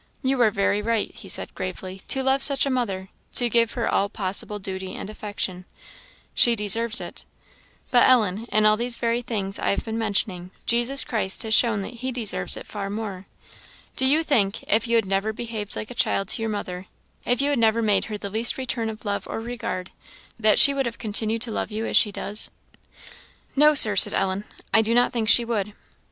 "You are very right," he said, gravely, "to love such a mother to give her all possible duty and affection; she deserves it. But, Ellen, in all these very things I have been mentioning, Jesus Christ has shown that he deserves it far more. Do you think, if you had never behaved like a child to your mother if you had never made her the least return of love or regard that she would have continued to love you as she does?" "No, Sir," said Ellen "I do not think she would."